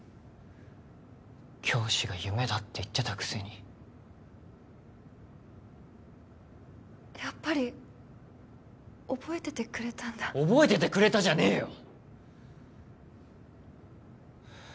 教師が夢だって言ってたくせにやっぱり覚えててくれたんだ覚えててくれたじゃねえよ！